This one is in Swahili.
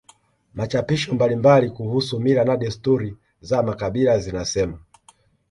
Machapisho mbalimbali kuhusu mila na desturi za makabila zinasema